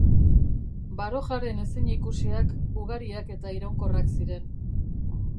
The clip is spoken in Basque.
Barojaren ezinikusiak ugariak eta iraunkorrak ziren.